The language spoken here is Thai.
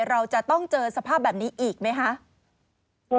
เราจะต้องเจอสภาพแบบนี้อีกไหมคะ